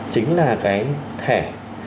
chính là cái thẻ